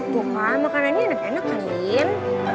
bukan makannya enak enak kan lin